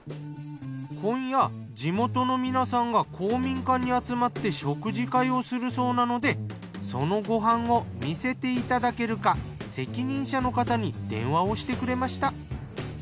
今夜地元の皆さんが公民館に集まって食事会をするそうなのでそのご飯を見せていただけるか責任者の方に電話をしてくれました。